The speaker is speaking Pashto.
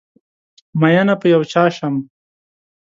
ميېنه په یو چا شم